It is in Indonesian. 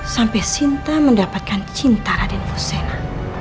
sampai sinta mendapatkan cinta raden fusena